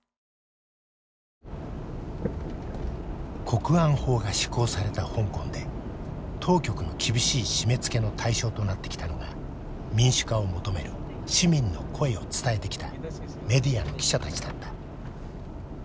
国安法が施行された香港で当局の厳しい締めつけの対象となってきたのが民主化を求める市民の声を伝えてきたメディアの記者たちだった。